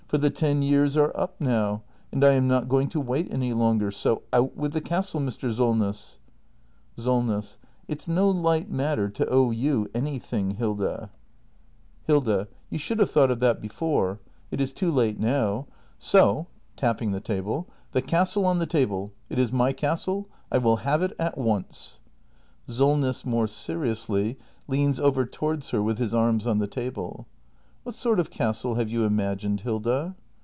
For the ten years are up now, and I am not going to wait any longer. So — out with the castle, Mr. Solness! Solness. It's no light matter to owe you anything, Hilda. 406 THE MASTER BUILDER [act hi Hilda. You should have thought of that before. It is too late now. So — [tapping the table] — the castle on the table ! It is my castle ! I will have it a t once! SOLNESS. [More seriously, leans over towards her, with his arms on the table.] What sort of castle have you imagined, Hilda